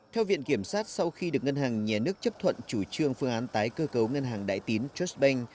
theo viện kiểm sát sau khi được ngân hàng nhà nước chấp thuận chủ trương phương án tái cơ cấu ngân hàng đại tín trustbank